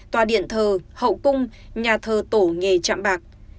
tòa điện thờ hậu cung nhà thờ tổ nghề chạm bạc